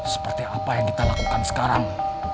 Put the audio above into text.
seperti apa yang kita lakukan sekarang